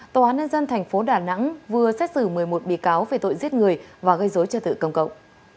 tòa án nhân dân thành phố đà nẵng vừa xét xử một mươi một bị cáo về tội giết người và gây dối trợ tự công cộng